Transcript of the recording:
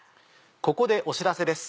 ここでお知らせです。